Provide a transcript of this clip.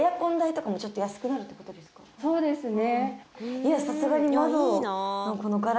そうですね。